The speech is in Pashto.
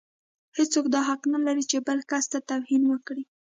هيڅوک دا حق نه لري چې بل کس ته توهين وکړي.